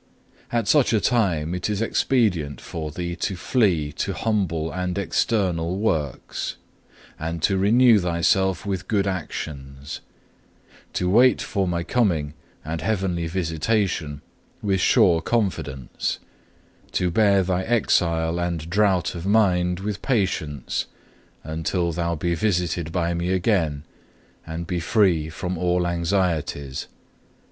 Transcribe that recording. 2. "At such a time it is expedient for thee to flee to humble and external works, and to renew thyself with good actions; to wait for My coming and heavenly visitation with sure confidence; to bear thy exile and drought of mind with patience, until thou be visited by Me again, and be freed from all anxieties.